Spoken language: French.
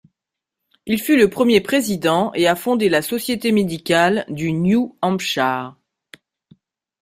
Il fut le premier Président et a fondé la Société Médicale du New Hampshire.